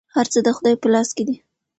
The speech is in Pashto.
هر څه د خدای په لاس کې دي.